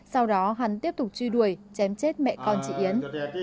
sau đó hắn tiếp tục truy đuổi chém chết mẹ con chị yến